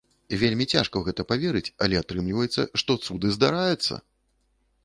Вельмі цяжка ў гэта паверыць, але атрымліваецца, што цуды здараюцца!!!